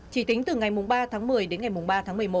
chỉ tính từ ngày ba tháng một mươi đến ngày ba tháng một mươi một